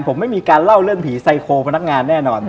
ผมไม่มีการเล่าเรื่องผีไซโครพนักงานแน่นอน